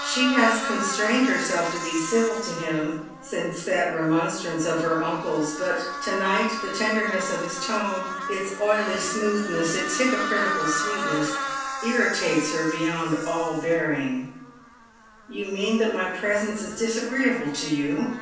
She has constrained herself to be civil to him since that remon fitrance of hur uncle's, but to night the tenderness of his loue, its Gaming Timet 257 oily emoothnesg, its hypocritical sweetness, irritates her beyond cU bearing. " Yoii mean that my presence is disagreeable to you."